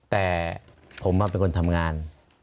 แต่ผมเป็นคนทำงาน